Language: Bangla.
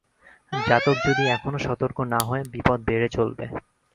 জাতক যদি এখনো সতর্ক না হয় বিপদ বেড়ে চলবে।